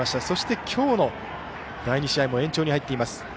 そして、今日の第２試合も延長に入っています。